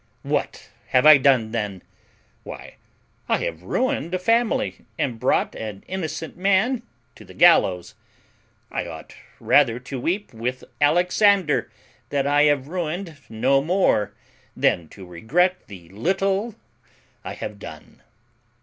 What have I done then? Why, I have ruined a family, and brought an innocent man to the gallows. I ought rather to weep with Alexander that I have ruined no more, than to regret the little I have done."